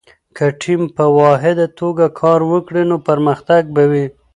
که ټیم په واحده توګه کار وکړي، نو پرمختګ به وي.